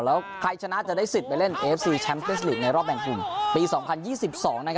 แล้วใครชนะจะได้สิทธิ์ไปเล่นเอฟซีแชมป์เตนส์ลีกในรอบแห่งกลุ่มปีสองพันยี่สิบสองนะครับ